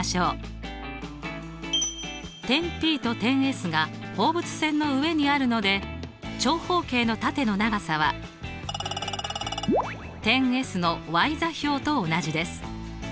点Ｐと点Ｓが放物線の上にあるので長方形のタテの長さは点Ｓの座標と同じです。